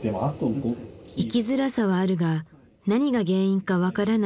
生きづらさはあるが何が原因か分からない鹿野さん。